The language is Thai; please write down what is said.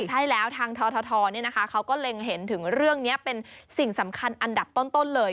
ใช่แล้วทางททเขาก็เล็งเห็นถึงเรื่องนี้เป็นสิ่งสำคัญอันดับต้นเลย